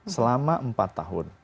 selama empat tahun